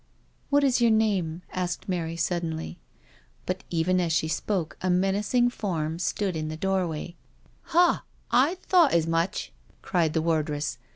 " What is your name?" asked Mary suddenly. But even as she spoke a menacing form stood in the doorway :" HaT I thought as much," cried the wardress.